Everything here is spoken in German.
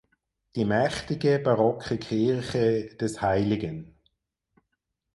Die mächtige barocke Kirche des hl.